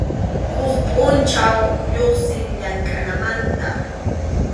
Huk pʼunchaw lluqsin llamkʼananmanta.